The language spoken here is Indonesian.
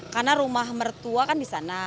karena rumah mertua kan di sana